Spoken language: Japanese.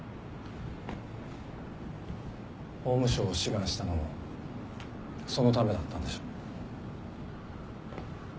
法務省を志願したのもそのためだったんでしょ？